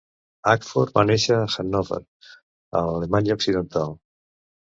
Ackford va néixer a Hannover, a l'Alemanya Occidental.